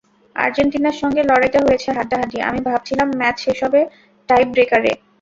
আর্জেন্টিনার সঙ্গে লড়াইটা হয়েছে হাড্ডাহাড্ডি, আমি ভাবছিলাম ম্যাচ শেষ হবে টাইব্রেকারে।